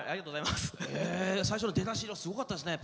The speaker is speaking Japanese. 最初の出だしがすごかったですね。